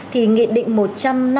thì nghị định một trăm năm mươi bảy